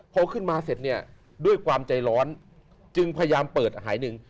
พอขึ้นมาเสร็จเนี่ยด้วยความใจร้อนจึงพยายามเปิดหายหนึ่ง